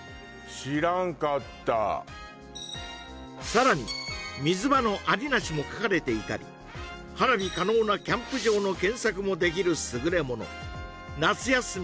知らんかったさらに水場のアリナシも書かれていたり花火可能なキャンプ場の検索もできるすぐれもの夏休み